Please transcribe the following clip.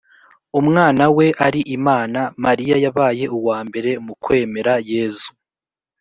umwana we ari imana. mariya yabaye uwa mbere mu kwemera yezu.